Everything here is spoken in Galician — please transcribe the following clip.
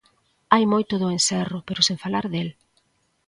Hai moito do encerro, pero sen falar del.